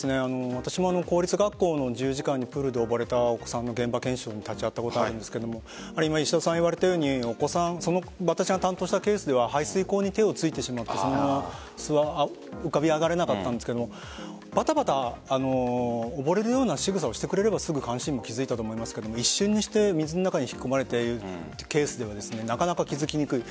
私も公立学校の自由時間プールで溺れたお子さんの現場検証に立ち会ったことがありますが私が担当したケースでは排水口に手をついてしまって浮かび上がれなかったんですがバタバタ溺れるようなしぐさをしてくれれば監視員も気づいたと思いますが一瞬にして水の中に引き込まれていくケースではなかなか気づきにくい。